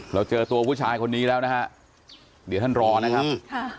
เราเจอตัวผู้ชายคนนี้แล้วนะฮะเดี๋ยวท่านรอนะครับค่ะ